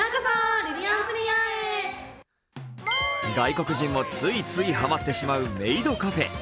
外国人もついついハマってしまうメイドカフェ。